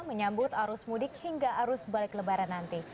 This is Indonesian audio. menyambut arus mudik hingga arus balik lebaran nanti